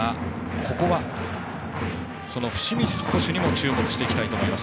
ここは伏見捕手にも注目したいと思います。